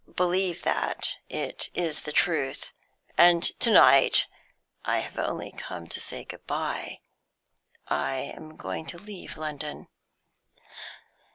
"Believe that; it is the truth. And to night I have only come to say good bye. I am going to leave London."